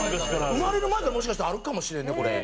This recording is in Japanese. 生まれる前からもしかしたらあるかもしれんねこれ。